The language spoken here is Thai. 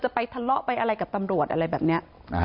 จะไปทะเลาะไปกับตำรวจแบบนี้